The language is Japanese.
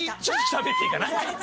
ちょっとしゃべっていいかな？